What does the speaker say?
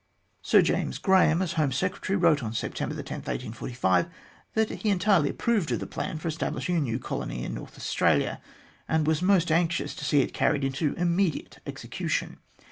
Sir James Graham, as Home Secretary, wrote on September 10, 1845, that he entirely approved of the plan for establish ing a new colony in North Australia, and was most anxious to see it carried into immediate execution.